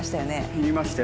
言いましたよ